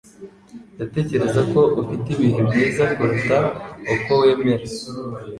Ndatekereza ko ufite ibihe byiza kuruta uko wemera